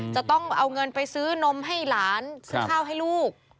จะต้องเอาเงินไปซื้อนมให้หลานซื้อข้าวให้ลูก